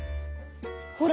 ほら！